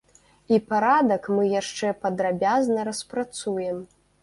І парадак мы яшчэ падрабязна распрацуем.